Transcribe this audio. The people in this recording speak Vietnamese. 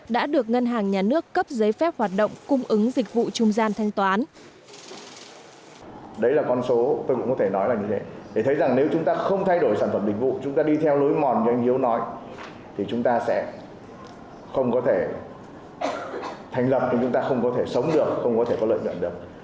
đã được ngân hàng nhà nước cấp giấy phép hoạt động cung ứng dịch vụ trung gian thanh toán